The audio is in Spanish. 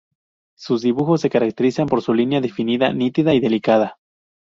Sus dibujos se caracterizan por su línea definida, nítida y delicada.